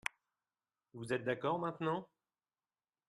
Vous êtes d'accord maintenant ?